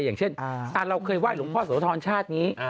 อย่างเช่นเราเคยไห้หลวงพ่อโสธรชาตินี้